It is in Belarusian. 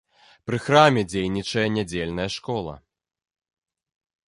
Пры храме дзейнічае нядзельная школа.